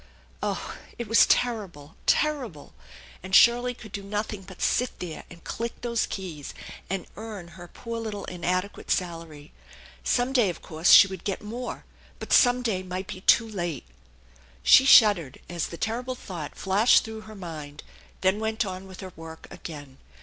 Oh, it was terrible, terrible! and Shirley could do nothing but sit there, and click those keys, and earn her poor little inadequate salarv ! Some day, of course, she would get more but some day mig&t be too late ! She shuddered as the terrible thought flashed through her mind, then went on with her work again.